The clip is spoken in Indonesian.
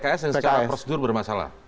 pks yang secara prosedur bermasalah